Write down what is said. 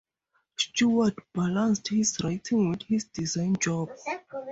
Stuart balanced his writing with his design job.